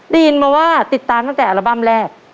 ได้ยินมาว่าติดตามตั้งแต่อัลบั้มแรก